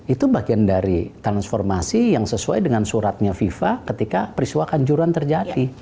itu bagian dari transformasi yang sesuai dengan suratnya fifa ketika peristiwa kanjuran terjadi